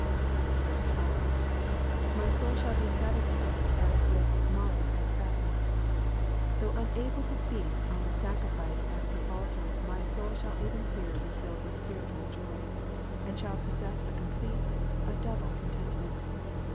5. ''''My soul shall he satisfied as with marrow and fatness.'''' Though unable to feast on the sacrifice at thine altar, my soul shall even here be filled with spiritual joys, and shall possess a complete, a double contentment.